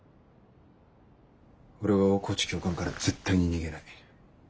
俺は大河内教官から絶対に逃げない。